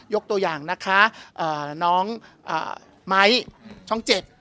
ยกตัวอย่างนะคะน้องไม้ช่องเจ็ด